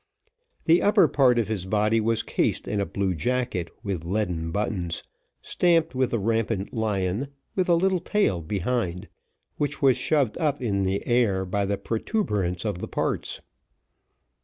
The upper part of his body was cased in a blue jacket, with leaden buttons, stamped with the rampant lion, with a little tail behind, which was shoved up in the air by the protuberance of the parts.